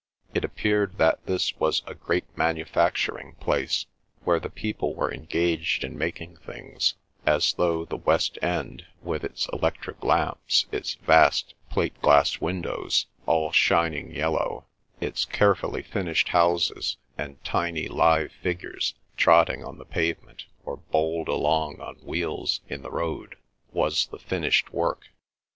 It appeared that this was a great manufacturing place, where the people were engaged in making things, as though the West End, with its electric lamps, its vast plate glass windows all shining yellow, its carefully finished houses, and tiny live figures trotting on the pavement, or bowled along on wheels in the road, was the finished work.